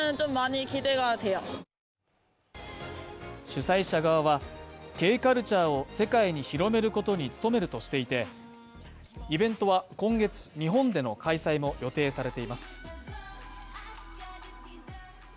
主催者側はＫカルチャーを世界に広めることに努めるとしていて、イベントは今月、日本での開催も予定されています。